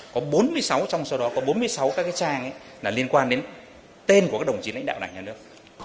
có bốn mươi sáu trong số đó có bốn mươi sáu các cái trang liên quan đến tên của các đồng chí lãnh đạo đảng nhà nước